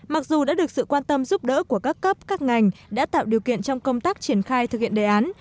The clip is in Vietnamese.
mặc dù đã được sự quan tâm giúp đỡ của các cấp các ngành đã tạo điều kiện trong công tác triển khai thực hiện đề án